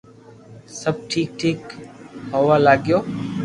سب ٺيڪ ٺيڪ ھووا لاگيو